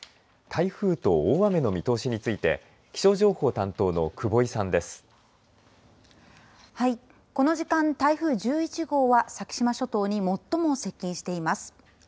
台風と大雨の見通しについてこの時間、台風１１号は先島諸島に最も接近しています。